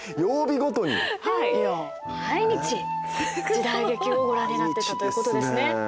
毎日時代劇をご覧になってたということですね。